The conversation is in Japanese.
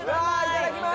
いただきます！